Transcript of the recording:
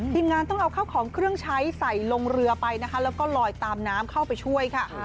ทีมงานต้องเอาข้าวของเครื่องใช้ใส่ลงเรือไปนะคะแล้วก็ลอยตามน้ำเข้าไปช่วยค่ะ